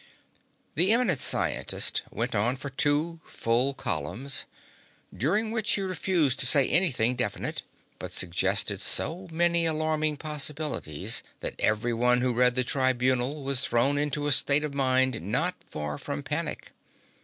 The eminent scientist went on for two full columns, during which he refused to say anything definite, but suggested so many alarming possibilities that every one who read the Tribunal was thrown into a state of mind not far from panic.